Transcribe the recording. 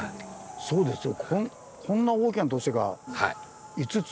そうですよ